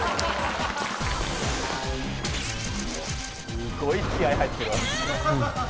・すごい気合入ってる。